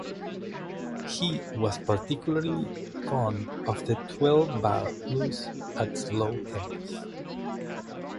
He was particularly fond of the twelve-bar blues at slow tempos.